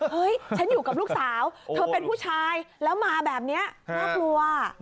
ฉันอยู่กับลูกสาวเธอเป็นผู้ชายแล้วมาแบบนี้น่ากลัว